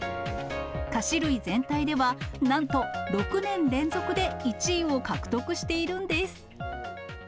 菓子類全体では、なんと６年連続で１位を獲得しているんです。